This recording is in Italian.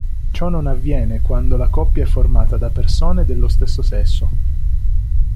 Ciò non avviene quando la coppia è formata da persone dello stesso sesso.